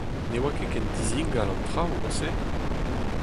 Ne oa ket ken dizingal an traoù, mod-se ?